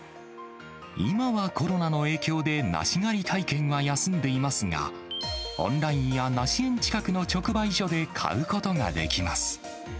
今はコロナの影響で梨狩り体験は休んでいますが、オンラインや梨園近くの直売所で買うことができます。